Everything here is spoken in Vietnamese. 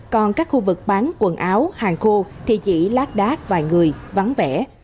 còn các khu vực bán quần áo hàng khô thì chỉ lát đát vài người vắng vẻ